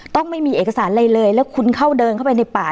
ไม่มีเอกสารอะไรเลยแล้วคุณเข้าเดินเข้าไปในป่า